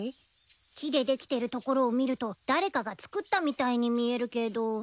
木でできてるところを見ると誰かが作ったみたいに見えるけど。